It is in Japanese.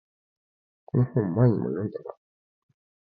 この本前にも読んだな